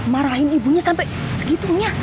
marahin ibunya sampe segitunya